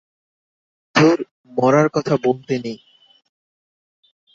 দূর, মরার কথা বলতে নেই।